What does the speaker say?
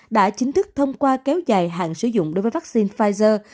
đã chính thức thông qua kéo dài hạn sử dụng đối với vaccine pfizer